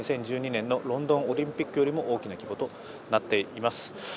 ２０１２年のロンドンオリンピックよりも大きな規模となっています。